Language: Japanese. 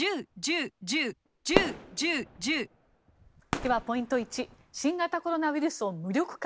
では、ポイント１新型コロナウイルスを無力化。